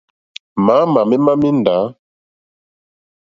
Mǎǃáámà mémá míndǎ.